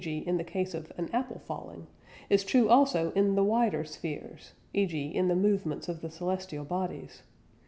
g. in the case of an apple falling) is true also in the wider spheres (e.g. in the movements of the celestial bodies).